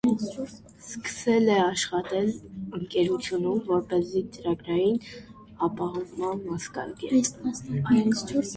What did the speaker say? Սկսել է աշխատել «» ընկերությունում որպես ծրագրային ապահովման մասնագետ։